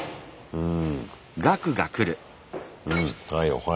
うん。